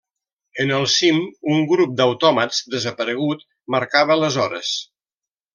En el cim, un grup d'autòmats, desaparegut, marcava les hores.